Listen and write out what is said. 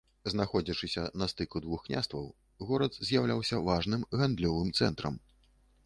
Знаходзячыся на стыку двух княстваў, горад з'яўляўся важным гандлёвым цэнтрам.